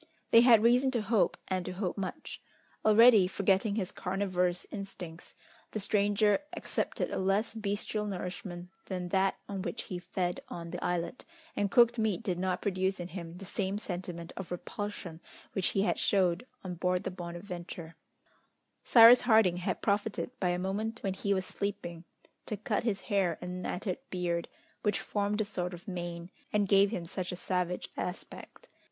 They had reason to hope, and to hope much. Already, forgetting his carnivorous instincts, the stranger accepted a less bestial nourishment than that on which he fed on the islet, and cooked meat did not produce in him the same sentiment of repulsion which he had showed on board the Bonadventure. Cyrus Harding had profited by a moment when he was sleeping, to cut his hair and matted beard, which formed a sort of mane, and gave him such a savage aspect.